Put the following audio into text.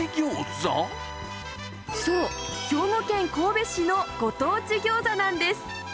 そう、兵庫県神戸市のご当地ギョーザなんです。